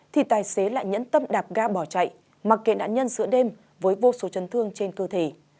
thì tài xế lại nhẫn tâm đạp ga bỏ chạy mặc kệ nạn nhân giữa đêm với vô số chấn thương trên cơ thể